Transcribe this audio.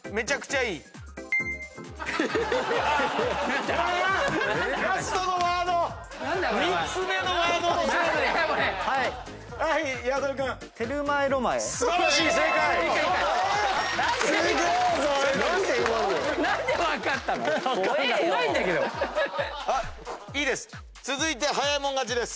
いいです。